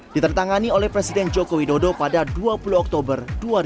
diterangani oleh presiden joko widodo pada dua puluh oktober dua ribu lima belas